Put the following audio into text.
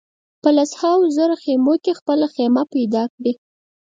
په لسهاوو زره خېمو کې خپله خېمه پیدا کړي.